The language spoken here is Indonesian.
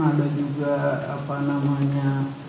ada juga apa namanya